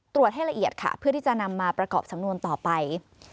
ตรวจให้ละเอียดค่ะเพื่อที่จะนำมาประกอบสำนวนต่อไป